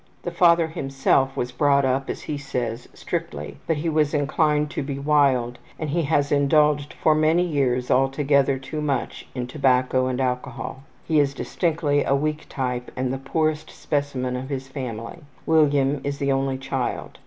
The father himself was brought up, as he says, strictly, but he was inclined to be wild, and he has indulged for many years altogether too much in tobacco and alcohol. He is distinctly a weak type and the poorest specimen of his family. William is the only child.